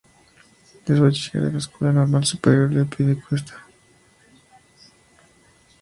Es bachiller de la Escuela Normal Superior de Piedecuesta.